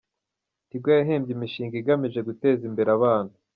Tigo yahembye imishinga igamije guteza imbere abana